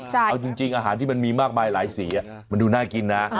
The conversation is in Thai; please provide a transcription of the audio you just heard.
เอาจริงอาหารที่มันมีมากมายหลายสีมันดูน่ากินนะ